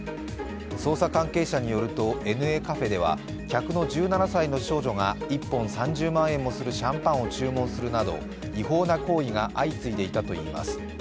捜査関係者によるとＮＡカフェでは客の１７歳の少女が、１本３０万円もするシャンパンを注文するなど違法な行為が相次いでいたといいます。